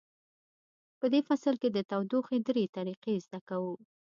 په دې فصل کې د تودوخې درې طریقې زده کوو.